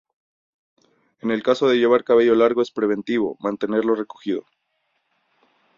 En el caso de llevar cabello largo es preventivo mantenerlo recogido.